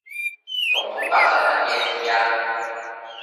彤彤發生乜嘢事呀